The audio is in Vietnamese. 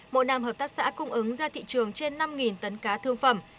mỗi năm hợp tác xã cung ứng ra thị trường trên năm tấn cá thương phẩm